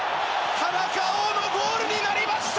田中碧のゴールになりました！